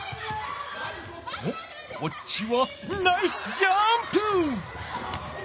おっこっちはナイスジャンプ！